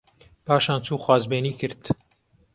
پاشان چوو خوازبێنی کرد